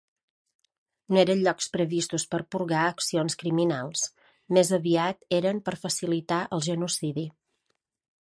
No eren llocs previstos per purgar accions criminals; més aviat, eren per facilitar el genocidi.